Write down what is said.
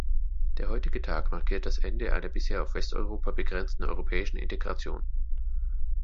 Der heutige Tag markiert das Ende einer bisher auf Westeuropa begrenzten europäischen Integration.